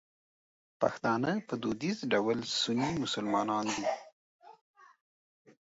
پښتانه په دودیز ډول سني مسلمانان دي.